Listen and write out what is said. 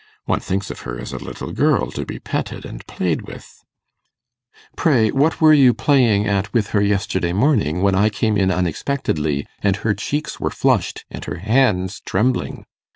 One thinks of her as a little girl to be petted and played with.' 'Pray, what were you playing at with her yesterday morning, when I came in unexpectedly, and her cheeks were flushed, and her hands trembling?